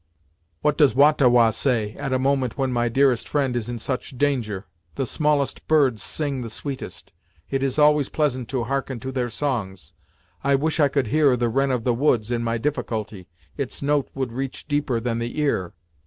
"What does Wah ta Wah say, at a moment when my dearest friend is in such danger. The smallest birds sing the sweetest; it is always pleasant to hearken to their songs. I wish I could hear the Wren of the Woods in my difficulty; its note would reach deeper than the ear."